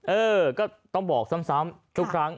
เออก็ต้องบอกซ้ำทุกครั้ง